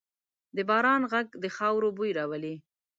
د باران ږغ د خاورو بوی راولي.